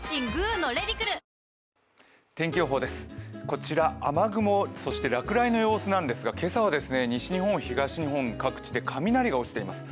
こちら雨雲、そして落雷の様子なんですが、今朝は西日本、東日本各地で雷が落ちています。